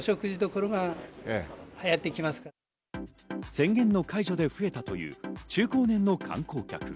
宣言の解除で増えたという中高年の観光客。